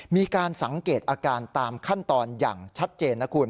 มีการสังเกตอาการตามขั้นตอนอย่างชัดเจนนะคุณ